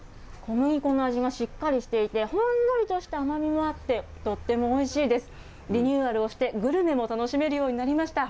小麦粉の味がしっかりしてほんのりとした甘みもあって、とってもおいしいです。